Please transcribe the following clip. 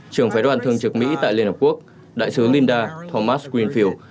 trưởng phái đoàn thường trực mỹ tại liên hợp quốc đại sứ linda thomas greenfield